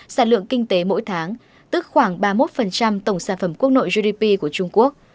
sản lượng kinh tế mỗi tháng tức khoảng ba mươi một tổng sản phẩm quốc nội gdp của trung quốc